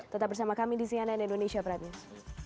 tetap bersama kami di cnn indonesia prime news